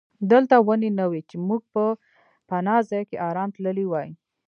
دلته ونې نه وې چې موږ په پناه ځای کې آرام تللي وای.